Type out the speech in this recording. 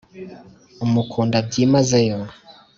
umukunda byimaze yo